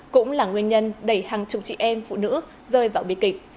cũng là nguyên nhân đẩy hàng chục chị em phụ nữ rơi vào biệt kịch